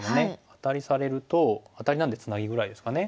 アタリされるとアタリなんでツナギぐらいですかね。